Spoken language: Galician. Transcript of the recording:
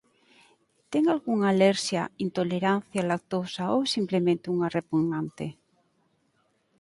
Ten algunha alerxia, intolerancia á lactosa ou é simplemente unha repugnante?